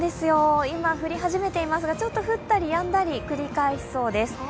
今降り始めていますが、ちょっと降ったりやんだりくり返しそうです。